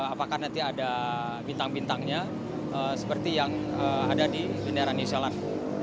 apakah nanti ada bintang bintangnya seperti yang ada di bendera new zealand